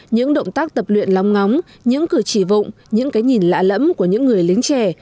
những động tác tập luyện lóng ngóng những cử chỉ vụng những cái nhìn lạ lẫm của những người lính trẻ